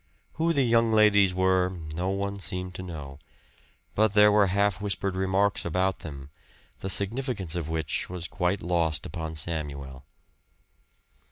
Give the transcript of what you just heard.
Who the young ladies were no one seemed to know, but there were half whispered remarks about them, the significance of which was quite lost upon Samuel.